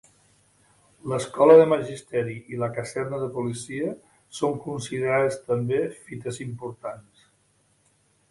L'escola de Magisteri i la Caserna de Policia, són considerades també fites importants.